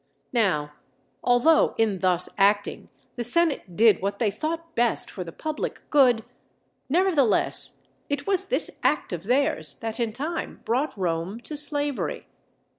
Now, although in thus acting the senate did what they thought best for the public good, nevertheless it was this act of theirs that in time brought Rome to slavery.